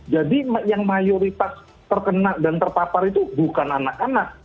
jadi yang mayoritas terkena dan terpapar itu bukan anak anak